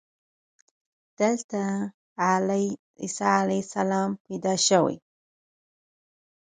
دلته عیسی علیه السلام پیدا شوی.